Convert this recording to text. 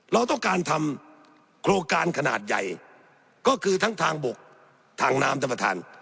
เราต้องการทำโครงการขนาดใหญ่ก็คือทั้งทางบกทางน้ำท่านประธาน